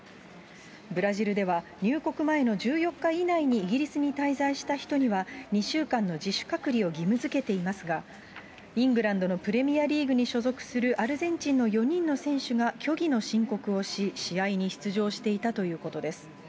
ブラジルでは入国前の１４日以内にイギリスに滞在した人には、２週間の自主隔離を義務づけていますが、イングランドのプレミアリーグに所属するアルゼンチンの４人の選手が、虚偽の申告をし、試合に出場していたということです。